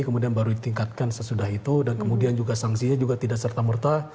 kemudian baru ditingkatkan sesudah itu dan kemudian juga sanksinya juga tidak serta merta